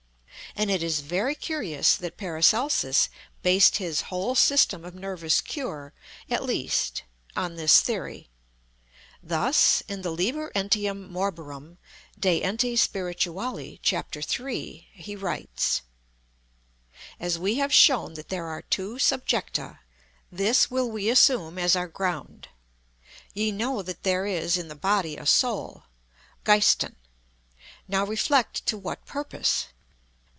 And it is very curious that PARACELSUS based his whole system of nervous cure, at least, on this theory. Thus, in the Liber Entium Morborum, de Ente Spirituali, chap, iii, he writes: "As we have shown that there are two Subjecta, this will we assume as our ground. Ye know that there is in the Body a Soul. (Geist.) Now reflect, to what purpose?